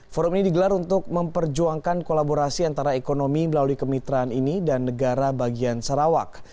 forum ini digelar untuk memperjuangkan kolaborasi antara ekonomi melalui kemitraan ini dan negara bagian sarawak